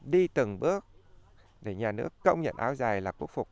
đi từng bước để nhà nước công nhận áo dài là quốc phục